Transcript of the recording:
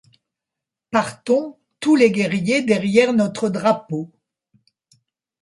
Partons tous les guerriers derrière notre drapeau.